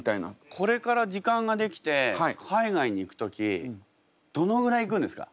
これから時間ができて海外に行く時どのぐらい行くんですか？